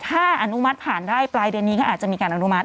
ถ้าอนุมัติผ่านได้ปลายเดือนนี้ก็อาจจะมีการอนุมัติ